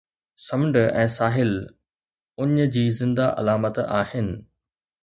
سمنڊ ۽ ساحل اڃ جي زنده علامت آهن